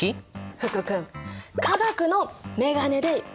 福君化学のメガネで見てみて！